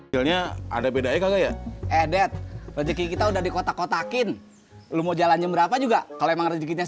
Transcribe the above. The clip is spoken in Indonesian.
sampai jumpa di video selanjutnya